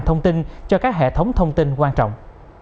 thông tin cho các hệ thống thông tin quan trọng